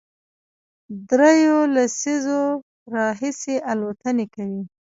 درېیو لسیزو راهیسې الوتنې کوي،